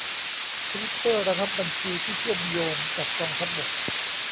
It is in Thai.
ทวิตเตอร์ระงับบัญชีที่เชื่อมโยงกับกองทัพบก